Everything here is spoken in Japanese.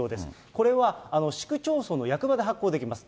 これは、市区町村の役場で発行できます。